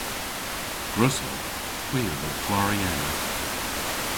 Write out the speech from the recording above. Gwrussowgh. Hwi a wrug gwari ena.